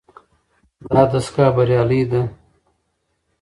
دا دستګاه بریالۍ ده.